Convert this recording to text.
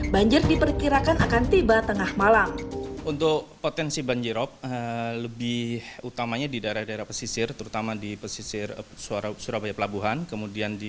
banjir diperkirakan akan tiba tengah malam